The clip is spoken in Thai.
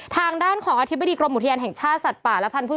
ทางด้านของอธิบดีกรมอุทยานแห่งชาติสัตว์ป่าและพันธุ์